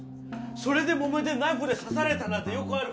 それでもめてナイフで刺されたなんてよくあるから。